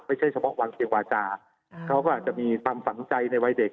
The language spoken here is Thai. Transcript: เฉพาะวางเพียงวาจาเขาก็อาจจะมีความฝังใจในวัยเด็ก